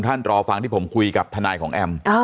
รอฟังที่ผมคุยกับทนายของแอม